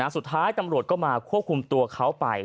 สุดท้ายตำรวจก็มาควบคุมตัวเขาไป